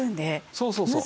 そうそうそう。